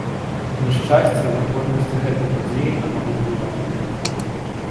На шчасце, верагоднасць і гэтай падзеі амаль нулявая.